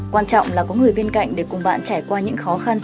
quan trọng là có người bên cạnh để cùng bạn trải qua những khó khăn